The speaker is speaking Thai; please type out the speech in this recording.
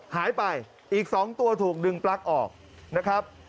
หายไปอีก๒ตัวถูกดึงปลั๊กออกนะครับ